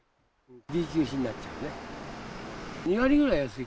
Ｂ級品になっちゃうね。